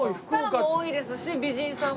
スターも多いですし美人さんも。